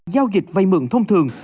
giao dịch vay mượn thông thường